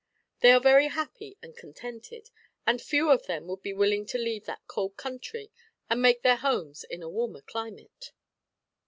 They are very happy and contented, and few of them would be willing to leave that cold country and make their homes in a warmer climate.